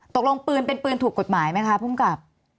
ปืนเป็นปืนถูกกฎหมายไหมคะภูมิกับ